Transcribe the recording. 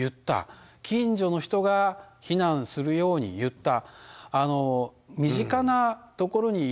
近所の人が避難するように言った。